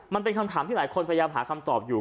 มันเป็นคำถามที่หลายคนพยายามหาคำตอบอยู่